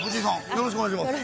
よろしくお願いします